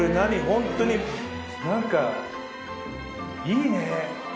ホントになんかいいね。